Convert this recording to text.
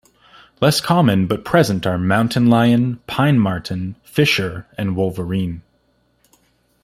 Less common but present are mountain lion, pine marten, fisher, and wolverine.